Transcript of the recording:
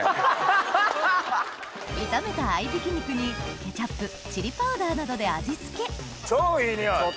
炒めた合い挽き肉にケチャップチリパウダーなどで味付け超いい匂い。